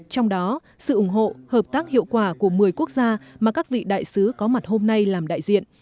trong đó sự ủng hộ hợp tác hiệu quả của một mươi quốc gia mà các vị đại sứ có mặt hôm nay làm đại diện